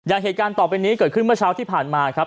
เหตุการณ์ต่อไปนี้เกิดขึ้นเมื่อเช้าที่ผ่านมาครับ